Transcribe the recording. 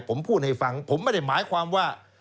ผมพูดให้ฟังผมไม่ได้หมายความว่า